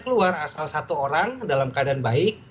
keluar asal satu orang dalam keadaan baik